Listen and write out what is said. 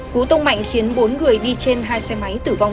cú tông mạnh khiến bốn người đi trên hai xe máy tử vong